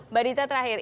mbak dita terakhir